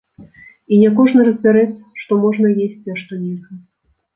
І не кожны разбярэцца, што можна есці, а што нельга.